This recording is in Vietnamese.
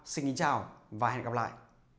xin chào và hẹn gặp lại